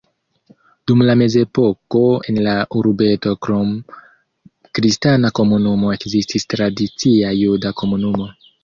Dum la mezepoko en la urbeto krom kristana komunumo ekzistis tradicia juda komunumo.